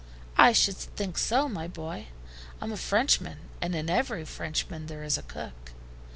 "I should think so, my boy. I'm a Frenchman, and in every Frenchman there is a cook."